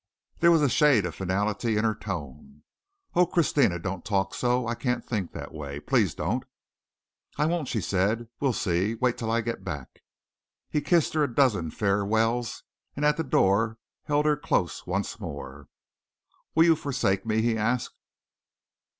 There was a shade of finality in her tone. "Oh, Christina, don't talk so. I can't think that way. Please don't." "I won't," she said. "We'll see. Wait till I get back." He kissed her a dozen farewells and at the door held her close once more. "Will you forsake me?" he asked.